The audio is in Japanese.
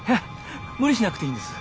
無理しなくていいんです。